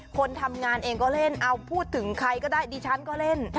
คนทำงานเองก็เล่นเอาพูดถึงใครก็ได้ดิฉันก็เล่น